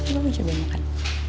gue mau cobain makan